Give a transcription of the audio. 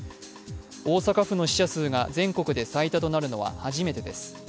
大阪府の死者数が全国で最多となるのは初めてです。